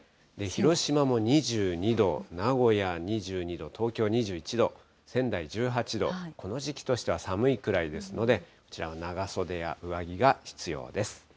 広島も２２度、名古屋２２度、東京２１度、仙台１８度、この時期としては寒いくらいですので、こちらは長袖や上着が必要です。